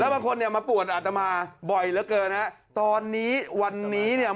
บางคนเนี่ยมาป่วนอาตมาบ่อยเหลือเกินฮะตอนนี้วันนี้เนี่ย